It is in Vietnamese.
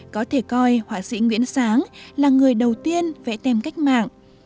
có thể coi họa sĩ nguyễn sáng là người đầu tiên vẽ tem cách mạng